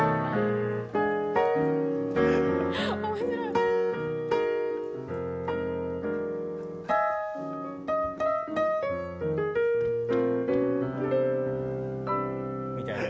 面白い！みたいな。